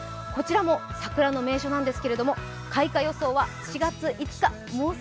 こちらも桜の名所なんですけれども開花予想は４月５日